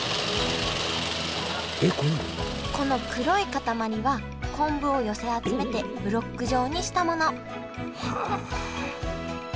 この黒い固まりは昆布を寄せ集めてブロック状にしたもの。